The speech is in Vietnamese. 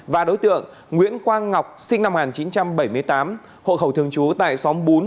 và đối tượng nguyễn quang ngọc sinh năm một nghìn chín trăm bảy mươi tám hộ khẩu thường trú tại xóm bốn